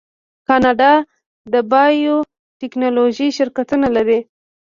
کاناډا د بایو ټیکنالوژۍ شرکتونه لري.